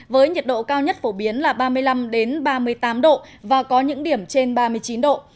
với nhiệt độ cao nhất phổ biến là ba mươi năm ba mươi tám độ và có những điểm trên ba mươi chín độ